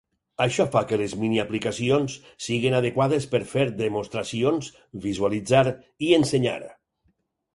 Això fa que les miniaplicacions siguin adequades per fer demostracions, visualitzar i ensenyar.